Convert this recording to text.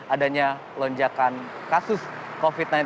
adanya lonjakan kasus covid sembilan belas